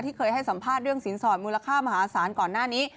เคยให้สัมภาษณ์เรื่องสินสอดมูลค่ามหาศาลก่อนหน้านี้